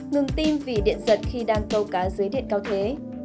ngừng tim vì điện giật khi đang câu cá dưới điện cao thế